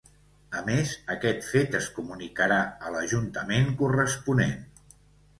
A més, aquest fet es comunicarà a l'ajuntament corresponent.